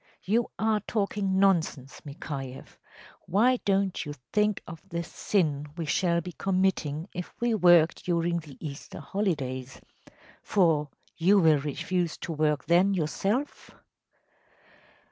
You are talking nonsense, Mikhayeff. Why don’t you think of the sin we shall be committing if we work during the Easter holidays‚ÄĒfor you will refuse to work then yourself?